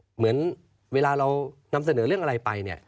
เหมือนเวลาเรานำเสนอเรื่องอะไรไปเนี่ย